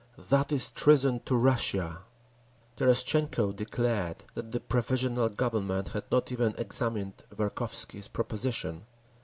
That is treason to Russia! Terestchenko declared that the Provisional Government had not even examined Verkhovsky's proposition.